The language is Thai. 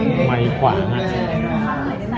อันนี้ก็มองดูนะคะ